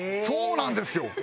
そうなんですよ！